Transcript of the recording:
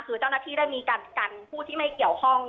คือเจ้าหน้าที่ได้มีการกันผู้ที่ไม่เกี่ยวข้อง